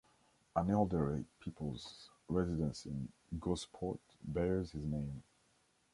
An elderly people's residence in Gosport bears his name.